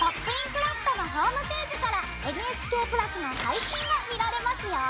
クラフト」のホームページからＮＨＫプラスの配信が見られますよ。